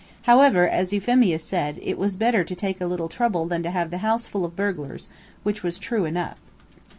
However, as Euphemia said, it was better to take a little trouble than to have the house full of burglars, which was true enough.